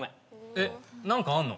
えっ何かあんの？